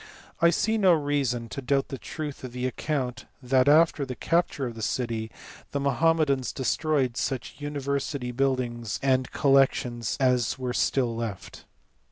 I see no reason to doubt the truth of the account that after the capture of the city the Mohammedans destroyed such university buildings and FALL OF ALEXANDRIA. 117 collections as were still left.